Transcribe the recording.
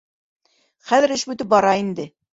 Хәҙер эш бөтөп бара инде.